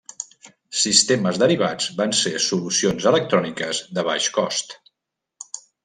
Sistemes derivats van ser solucions electròniques de baix cost.